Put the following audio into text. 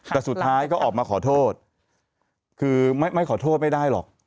แต่สุดท้ายก็ออกมาขอโทษคือไม่ขอโทษไม่ได้หรอก